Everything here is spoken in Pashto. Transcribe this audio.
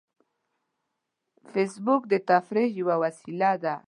فېسبوک د تفریح یوه وسیله ده